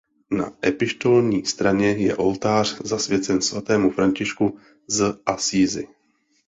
Na epištolní straně je oltář zasvěcen svatému Františku z Assisi.